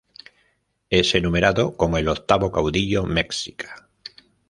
Es enumerado como el octavo caudillo mexica.